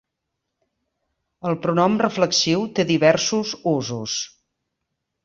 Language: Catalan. El pronom reflexiu té diversos usos.